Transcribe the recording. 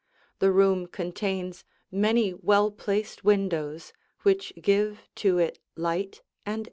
The room contains many well placed windows which give to it light and air.